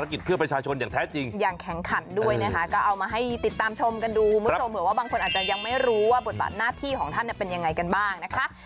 ขอบคุณครับ